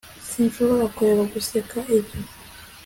sinshobora kureka guseka ibyo